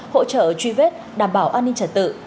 hỗ trợ truy vết đảm bảo an ninh trật tự